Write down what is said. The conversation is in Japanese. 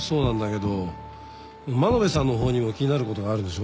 真鍋さんの方にも気になることがあるでしょ？